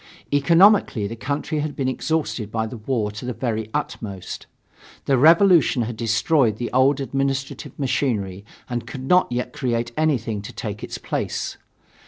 Economically the country had been exhausted by the war to the very utmost. The revolution had destroyed the old administrative machinery and could not yet create anything to take its place.